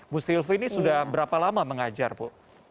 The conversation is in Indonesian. bu sylvi ini sudah berapa lama mengajar bu